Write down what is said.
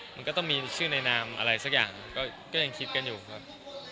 มันก็ต้องมีชื่อในนามอะไรสักอย่างก็ยังคิดกันอยู่ครับ